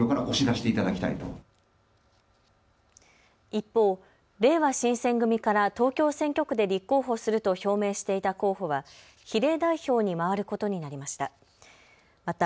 一方、れいわ新選組から東京選挙区で立候補すると表明していた候補は比例代表にまわることになりました。